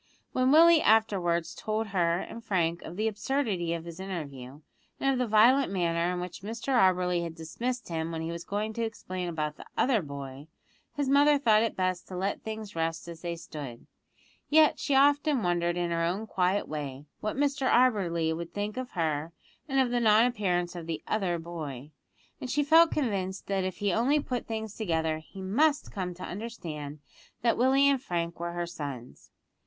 When Willie afterwards told her and Frank of the absurdity of his interview, and of the violent manner in which Mr Auberly had dismissed him when he was going to explain about the "other" boy, his mother thought it best to let things rest as they stood, yet she often wondered in her own quiet way what Mr Auberly would think of her and of the non appearance of the "other" boy; and she felt convinced that if he only put things together he must come to understand that Willie and Frank were her sons.